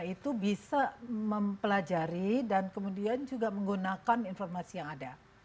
itu bisa mempelajari dan kemudian juga menggunakan informasi yang ada